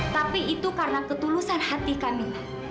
tapi itu karena ketulusan hati kami